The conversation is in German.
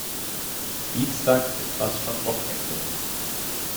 Dienstag ist fast schon Wochenende.